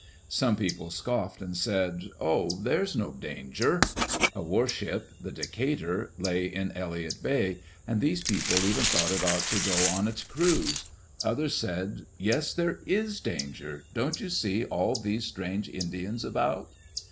Some people scoffed, and said, "Oh, there's no danger 1'' A warship, the Decatur, lay in Elliott Bay, and these people even thought it ought to go on its cruise. Others said, "Yes, there is danger. Don't you see all these strange Indians about?"